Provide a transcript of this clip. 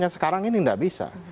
sekarang ini tidak bisa